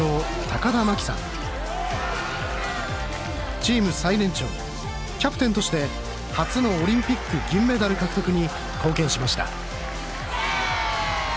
チーム最年長キャプテンとして初のオリンピック銀メダル獲得に貢献しました